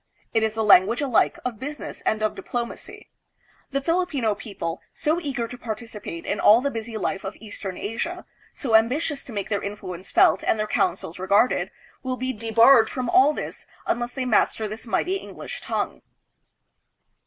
It is the language alike of business and of diplomacy. The Filipino people, so eager to participate in all the busy life of eastern Asia, so ambitious to make their influence felt and their counsels regarded, will be debarred from all this unless they master this mighty English tongue.